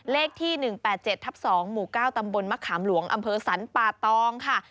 เลขที่๑๘๗ทับ๒หมู่๙ตำบลมะขามหลวงอำเภอสรรป่าตองค่ะ